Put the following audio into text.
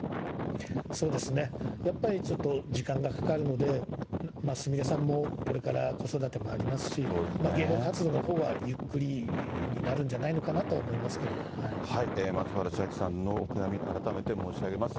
そうですね、やっぱりちょっと時間がかかるので、すみれさんもこれから子育てもありますし、芸能活動のほうはゆっくりになるんじゃないのかなと思いますけど松原千明さんのお悔やみ、改めて申し上げます。